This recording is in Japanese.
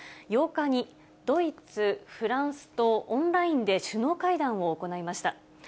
８日に、ドイツ、フランスとオンラインで首脳会談を行いました。